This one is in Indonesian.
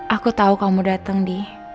aku tahu kamu datang di